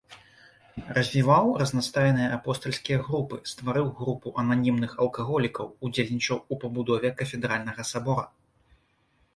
Развіваў разнастайныя апостальскія групы, стварыў групу ананімных алкаголікаў, удзельнічаў у пабудове кафедральнага сабора.